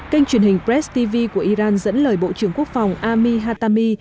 kênh truyền hình press tv của iran dẫn lời bộ trưởng quốc phòng ami hatami